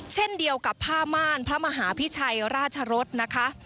เช่นเดียวกับผ้าม่านพระมหาพิชัยราชรสนะคะ